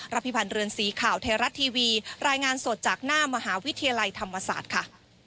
พิพันธ์เรือนสีข่าวไทยรัฐทีวีรายงานสดจากหน้ามหาวิทยาลัยธรรมศาสตร์ค่ะ